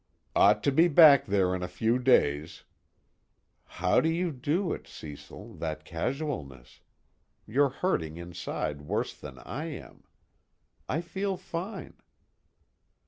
"Ought to be back there in a few days." _How do you do it, Cecil, that casualness? You're hurting inside worse than I am. I feel fine.